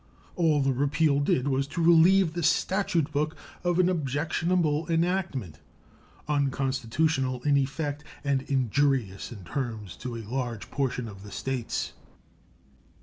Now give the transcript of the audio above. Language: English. All the repeal did was to relieve the statute book of an objectionable enactment, unconstitutional in effect and injurious in terms to a large portion of the States.